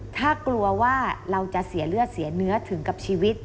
ถ้ากลัวว่าเราจะเสียเลือดเสียเนื้อถึงกับชีวิต